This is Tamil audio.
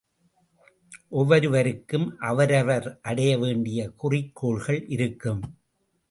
ஒவ்வொருவருக்கும் அவரவர் அடைய வேண்டிய குறிக்கோள்கள் இருக்கும்.